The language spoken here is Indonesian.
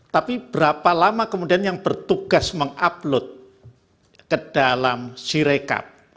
tapi berapa lama kemudian yang bertugas mengupload ke dalam sirekap